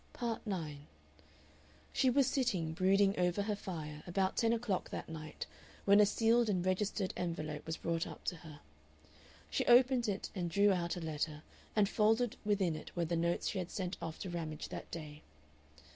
Part 9 She was sitting brooding over her fire about ten o'clock that night when a sealed and registered envelope was brought up to her. She opened it and drew out a letter, and folded within it were the notes she had sent off to Ramage that day.